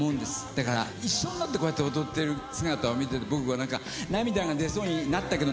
だから一緒になって踊ってる姿を見て僕は涙が出そうになったけど。